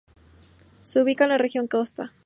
Se ubica en la Región Costa.